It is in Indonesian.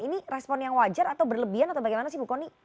ini respon yang wajar atau berlebihan atau bagaimana sih bu kony